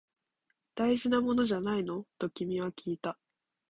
大事なものじゃないの？と君はきいた